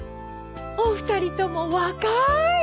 お二人とも若ーい！